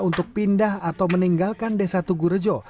untuk pindah atau meninggalkan desa tugurejo